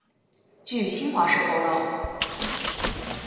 据新华社报道